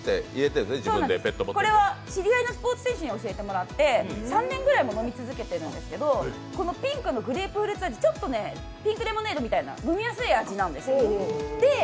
これは知り合いのスポーツ選手に教えてもらって３年ぐらい飲み続けてるんですけどピンクのグレープフルーツ味、ピンクレモネードみたいで飲みやすい味なんです。